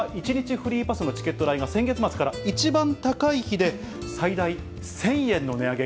フリーパスのチケット代が先月末から一番高い日で最大１０００円の値上げ。